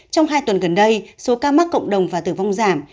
trong hai tuần gần đây số ca mắc cộng đồng và tử vong giảm